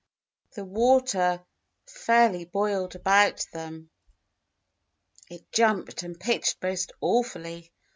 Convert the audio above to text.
The water fairly boiled about them. It jumped and pitched most awfully.